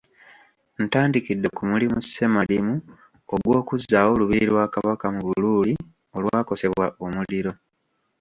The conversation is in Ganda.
Ntandikidde ku mulimu ssemalimu ogwokuzzaawo olubiri lwa Kabaka mu Buluuli olwakosebwa omuliro .